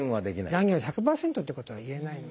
断言は１００％ってことは言えないので。